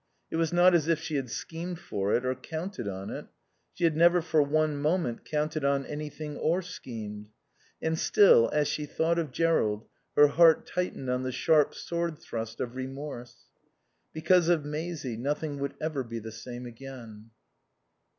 It was not as if she had schemed for it or counted on it. She had never for one moment counted on anything or schemed. And still, as she thought of Jerrold, her heart tightened on the sharp sword thrust of remorse. Because of Maisie, nothing would ever be the same again.